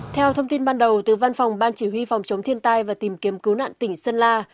theo thông tin ban đầu từ văn phòng ban chỉ huy phòng chống thiên tai và tìm kiếm cứu nạn tỉnh sơn la